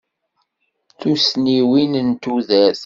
Tussniwin n tudert.